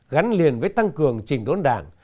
gắn liền với tăng cường trình đốn đảng